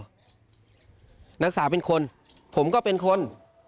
นักศึกษาเป็นคนผมก็เป็นคน